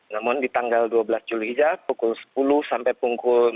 namun di tanggal dua belas juli hijab pukul sepuluh sampai pukul